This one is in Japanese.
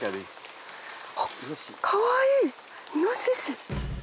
かわいいイノシシ。